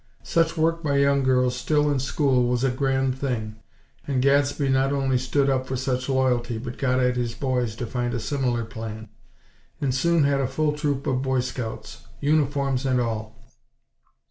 Such work by young girls still in school was a grand thing; and Gadsby not only stood up for such loyalty, but got at his boys to find a similar plan; and soon had a full troop of Boy Scouts; uniforms and all.